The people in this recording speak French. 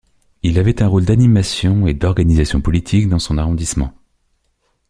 Il avait un rôle d'animation et d'organisation politique dans son arrondissement.